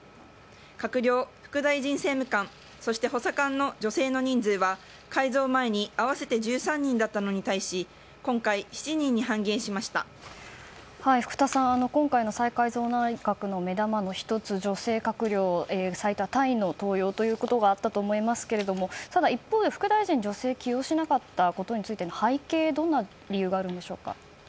閣僚・副大臣政務官そして補佐官の女性の人数は改造前に合わせて１３人だったのに対し福田さん、今回の再改造内閣の目玉の１つ女性閣僚最多タイの登用ということがあったと思いますがただ一方で、副大臣に女性を起用しなかったことに対しての背景はどんな理由があるんでしょうか。